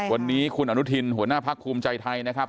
วันนี้คุณอนุทินหัวหน้าพักภูมิใจไทยนะครับ